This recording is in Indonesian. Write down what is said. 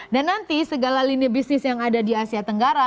dan nanti segala linie bisnis yang ada di asia tenggara